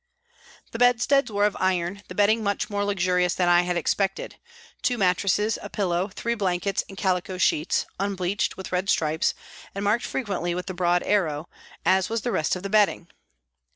86 PRISONS AND PRISONERS The bedsteads were of iron, the bedding much more luxurious than I had expected two mat tresses, a pillow, three blankets and calico sheets, unbleached, with red stripes, and marked frequently with the broad arrow, as was the rest of the bedding.